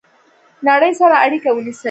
نړۍ سره اړیکه ونیسئ